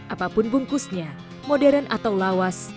apapun bungkusnya modern atau lawas